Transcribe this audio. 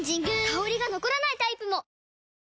香りが残らないタイプも！